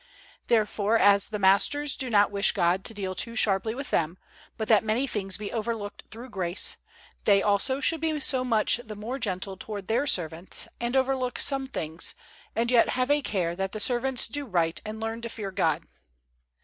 Therefore as the masters do not wish God to deal too sharply with them, but that many things be overlooked through grace, they also should be so much the more gentle toward their servants, and overlook some things, and yet have a care that the servants do right and learn to fear God.